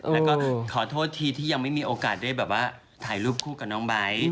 แล้วก็ขอโทษทีที่ยังไม่มีโอกาสได้แบบว่าถ่ายรูปคู่กับน้องไบท์